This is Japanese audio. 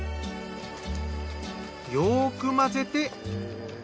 よく混ぜて。